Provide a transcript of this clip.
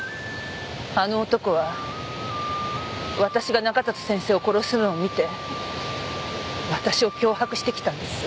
あの男は私が中里先生を殺すのを見て私を脅迫してきたんです。